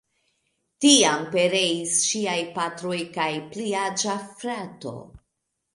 Tiam pereis ŝiaj patro kaj pliaĝa frato.